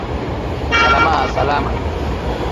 Salama Salama